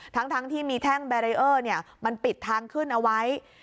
ทั้งที่มีแท่งแบรีเออร์มันปิดทางขึ้นเอาไว้